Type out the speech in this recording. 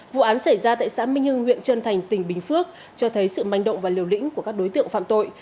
vụ án xảy ra tại xã minh hưng huyện trân thành tỉnh bình phước cho thấy sự manh động và liều lĩnh của các đối tượng phạm tội